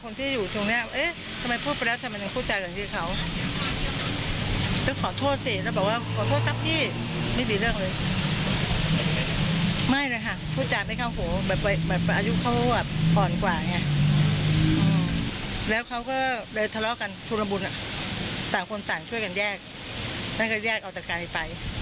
และได้เอาตัดการให้ไป